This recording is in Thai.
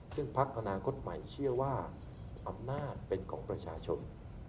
ซึ่งพักอนาคตใหม่เชื่อว่าอำนาจเป็นของประชาชน